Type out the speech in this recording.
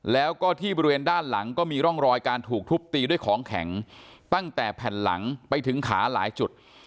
แล้วก็ที่บริเวณด้านหลังก็มีร่องรอยการถูกทุบตีด้วยของแข็งตั้งแต่แผ่นหลังไปถึงขาหลายจุด